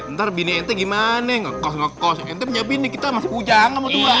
ntar bini ente gimana ngekos ngekos ente punya bini kita masih pujangan mau dua